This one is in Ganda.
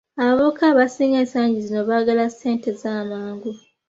Abavubuka abasinga ensangi zino baagala ssente zamangu